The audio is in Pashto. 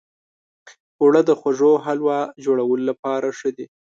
اوړه د خوږو حلوو جوړولو لپاره ښه دي